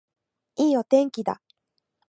いいお天気だ